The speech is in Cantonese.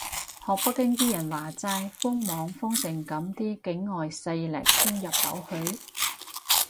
學北京啲人話齋，封網封成噉啲境外勢力都入到去？